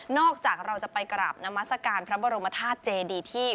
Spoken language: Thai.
นอกจากเราจะไปกลับนมัศกาลพระบรมธาตุเจดี